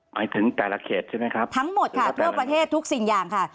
หมายถึงแต่ละเขตใช่ไหมครับทั้งหมดค่ะทั่วประเทศทุกสิ่งอย่างค่ะ